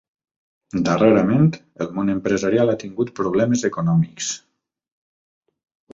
Darrerament, el món empresarial ha tingut problemes econòmics.